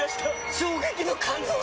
衝撃の感動作！